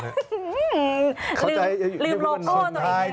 ลึกลมโกวนตัวเอง